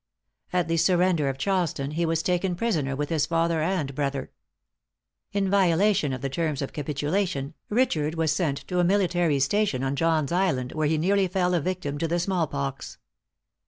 At the surrender of Charleston he was taken prisoner with his father and brother. In violation of the terms of capitulation, Richard was sent to a military station on John's Island, where he nearly fell a victim to the small pox.